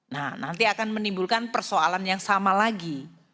nah nanti akan menimbulkan persoalan yang sama lagi